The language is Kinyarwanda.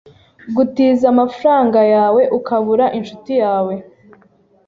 Gutiza amafaranga yawe ukabura inshuti yawe.